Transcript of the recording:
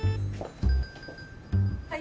はい。